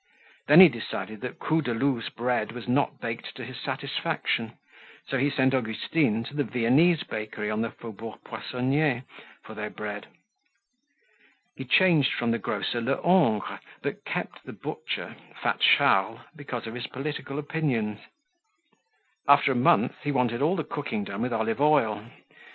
Then he decided that Coudeloup's bread was not baked to his satisfaction, so he sent Augustine to the Viennese bakery in the Faubourg Poissonniers for their bread. He changed from the grocer Lehongre but kept the butcher, fat Charles, because of his political opinions. After a month he wanted all the cooking done with olive oil.